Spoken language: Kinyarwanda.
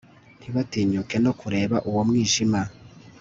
ntibatinyuke no kureba uwo mwijima